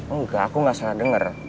enggak aku gak salah denger